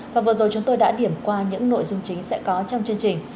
và vừa rồi chúng tôi đã điểm qua những nội dung chính sẽ có trong chương trình